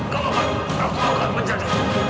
kami matang kecil